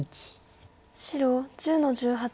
白１０の十八。